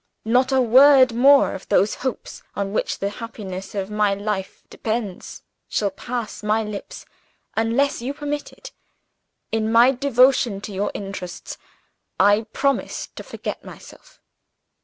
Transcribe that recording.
Not a word more of those hopes on which the happiness of my life depends shall pass my lips, unless you permit it. In my devotion to your interests, I promise to forget myself.